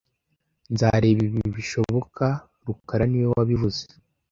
Nzareba ibi bishoboka rukara niwe wabivuze